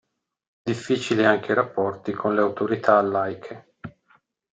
Difficili anche i rapporti con le autorità laiche.